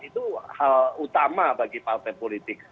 itu hal utama bagi partai politik